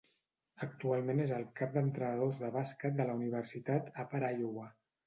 Actualment és el cap d'entrenadors de bàsquet de la Universitat Upper Iowa.